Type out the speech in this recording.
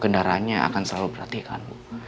gendaranya akan selalu berhatikan